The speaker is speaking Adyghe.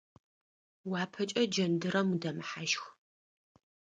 Уапэкӏэ джэндырэм удэмыхьащх.